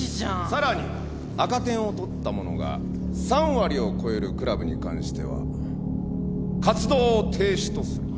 さらに赤点を取った者が３割を超えるクラブに関しては活動を停止とする。